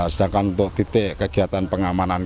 sedangkan untuk titik kegiatan pengamanan